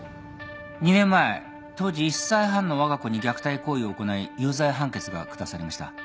２年前当時１歳半のわが子に虐待行為を行い有罪判決が下されました。